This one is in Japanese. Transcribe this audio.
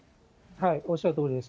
おっしゃるとおりです。